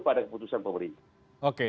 pada keputusan pemerintah oke